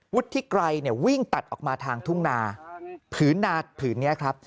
วุฒิไกรเนี่ยวิ่งตัดออกมาทางทุ่งนาผืนนาผืนนี้ครับ